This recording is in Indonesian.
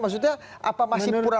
maksudnya apa masih pura